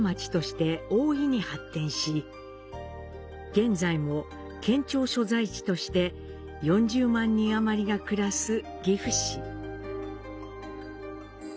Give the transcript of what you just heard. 現在も県庁所在地として４０万人余りが暮らす岐阜市。